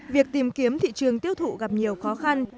việc tìm kiếm thị trường tiêu thụ gặp nhiều khó khăn